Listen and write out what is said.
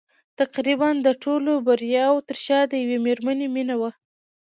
تقريباً د ټولو د برياوو تر شا د يوې مېرمنې مينه وه.